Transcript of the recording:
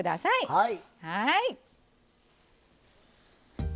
はい。